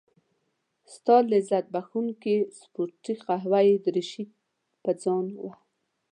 ستا لذت بخښونکې سپورتي قهوه يي دريشي په ځان وه.